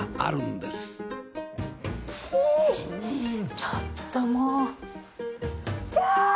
ちょっともう。